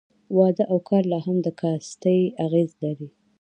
واده او کار لا هم د کاستي اغېز لري.